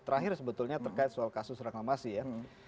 terakhir sebetulnya terkait soal kasus reklamasi ya